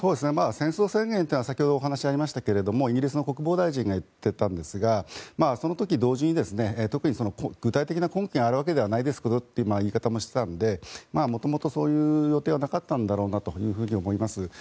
戦争宣言っていうのは先ほどお話がありましたけどイギリスの国防大臣が言っていたんですがその時、同時に特に具体的な根拠があるわけではないですけどという言い方もしていたので元々、そういう予定はなかったんだろうなと思います。